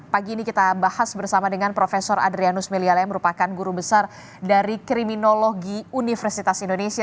pagi ini kita bahas bersama dengan prof adrianus meliala yang merupakan guru besar dari kriminologi universitas indonesia